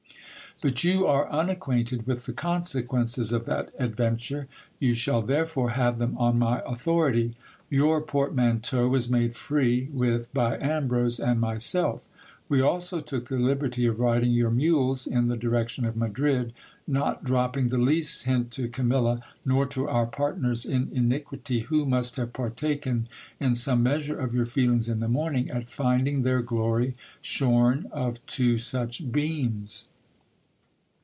But you are unacquainted with the consequences of that adventure ; you shall therefore have them on my authority. Your portmanteau was made free with by Ambrose and myself. We also took the liberty of riding your mules in the direction of Madrid, not dropping the least hint to Camilla nor to our partners in iniquity, who must have partaken in some measure of your feelings in the morning, at finding their glory shorn of two such beams.